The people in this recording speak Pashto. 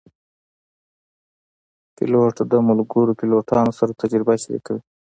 پیلوټ د ملګرو پیلوټانو سره تجربه شریکوي.